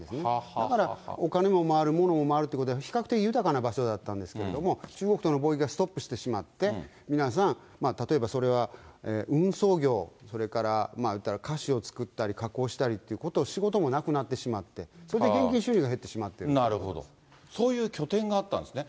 だからお金も回る、物も回るってことで、比較的豊かな場所だったんですけれども、中国との貿易がストップしてしまって、皆さん、例えばそれは運送業、それから、いうたら、菓子を作ったり、加工をしたりということも仕事もなくなってしまって、それで現金なるほど、そういう拠点があったんですね。